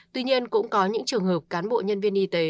tuy nhiên cũng có những trường hợp cán bộ nhân viên y tế